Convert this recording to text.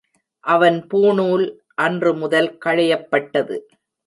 அவன் பூணுால் அன்று முதல் களையப்பட்டது.